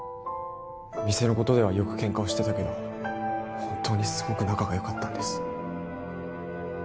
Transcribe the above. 店のことではよくケンカをしてたけど本当にすごく仲が良かったんです